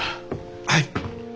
はい。